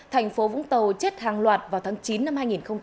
tp vũng tàu chết hàng loạt vào tháng chín năm hai nghìn một mươi năm